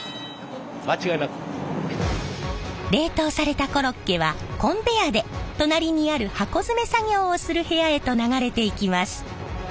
冷凍されたコロッケはコンベヤーで隣にある箱詰め作業をする部屋へと流れていきます。